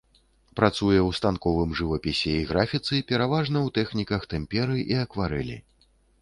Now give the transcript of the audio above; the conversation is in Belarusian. Працуе ў станковым жывапісе і графіцы, пераважна ў тэхніках тэмперы і акварэлі.